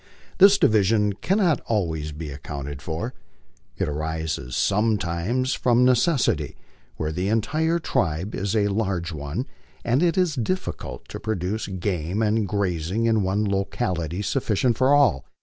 This division cannot always be accounted for. It arises sometimes from necessity, where the entire tribe is a large one, and it is difficult to procure game and grazing in one locality sufficient for all.